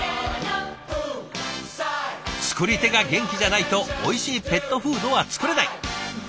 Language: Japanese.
作り手が元気じゃないとおいしいペットフードは作れない。